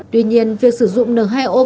tuy nhiên việc sử dụng n hai o